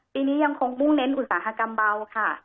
ปีนี้ยังคงมุ่งเน้นอุตสาหกรรมเบาค่ะ